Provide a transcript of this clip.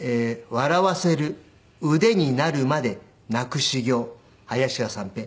「笑はせる腕になるまで泣く修業林家三平